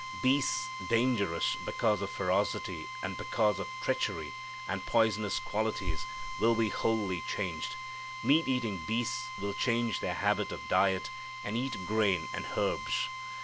Beasts dangerous because of ferocity and because of treachery and poisonous qualities will be wholly changed. Meat eating beasts will change their habit of diet, and eat grain and herbs.